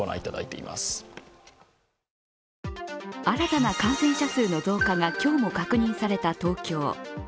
新たな感染者数の増加が今日も確認された東京。